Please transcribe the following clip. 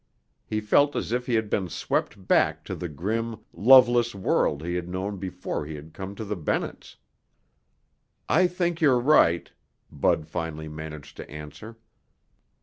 He felt as if he had been swept back to the grim, loveless world he had known before he had come to the Bennetts'. "I think you're right," Bud finally managed to answer.